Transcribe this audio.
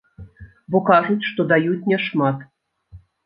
Бо кажуць, што даюць не шмат.